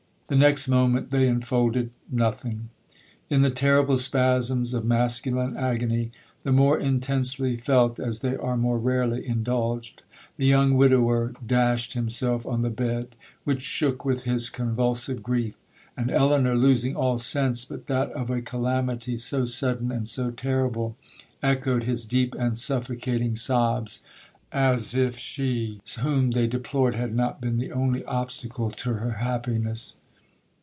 The next moment they enfolded—nothing! 'In the terrible spasms of masculine agony—the more intensely felt as they are more rarely indulged—the young widower dashed himself on the bed, which shook with his convulsive grief; and Elinor, losing all sense but that of a calamity so sudden and so terrible, echoed his deep and suffocating sobs, as it she whom they deplored had not been the only obstacle to her happiness.